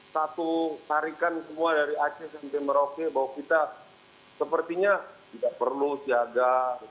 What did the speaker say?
satu tarikan semua dari akses yang tim rokir bahwa kita sepertinya tidak perlu siaga